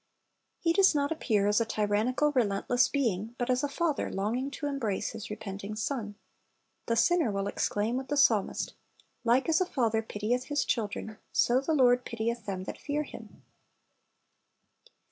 He does not appear as a tyrannical, relentless being, but as a father longing to embrace his repenting son. The sinner will exclaim with the psalmist, "Like as a father pitieth his children, so the Lord pitieth them that fear Him.''